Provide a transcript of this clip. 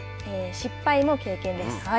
失敗も経験です。